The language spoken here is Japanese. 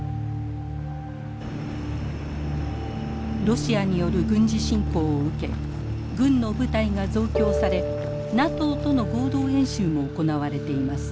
ロシアによる軍事侵攻を受け軍の部隊が増強されＮＡＴＯとの合同演習も行われています。